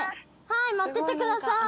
はい待っててください